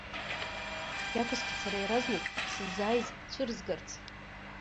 Иақәыскит сара иаразнак сыззааиз цәырызгарц.